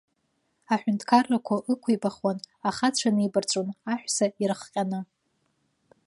Аҳәынҭқаррақәа ықәибахуан, ахацәа нибарҵәон аҳәса ирыхҟьаны.